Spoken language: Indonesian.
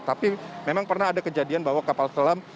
tapi memang pernah ada kejadian bahwa kapal selam